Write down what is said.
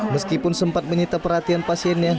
meskipun sempat menyita perhatian pasiennya